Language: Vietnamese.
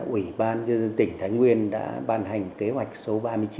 ủy ban nhân dân tỉnh thái nguyên đã ban hành kế hoạch số ba mươi chín